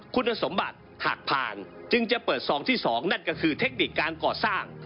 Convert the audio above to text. คุณสมบัติหากผ่านจึงจะเปิดซองที่๒นั่นก็คือเทคนิคการก่อสร้าง